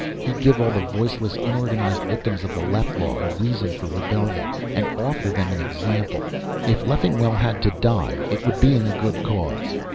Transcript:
He'd give all the voiceless, unorganized victims of the Leff Law a reason for rebellion and offer them an example. If Leffingwell had to die, it would be in a good cause.